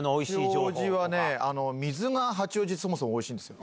八王子はね、水が八王子、そもそもおいしいんですよ。